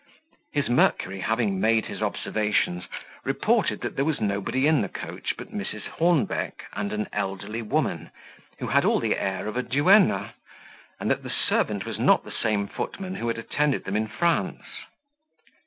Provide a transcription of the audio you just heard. His Mercury, having made his observations, reported that there was nobody in the coach but Mrs. Hornbeck and an elderly woman, who had all the air of a duenna; and that the servant was not the same footman who had attended them in France.